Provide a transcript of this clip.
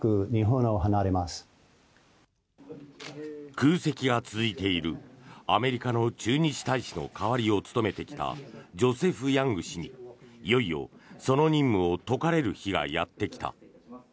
空席が続いているアメリカの駐日大使の代わりを務めてきたジョセフ・ヤング氏にいよいよその任務を解かれる日がやってきた。